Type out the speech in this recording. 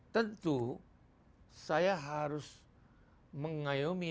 tentu saya harus mengayomi